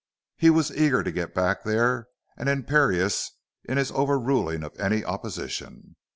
He was eager to get back there and imperious in his overruling of any opposition.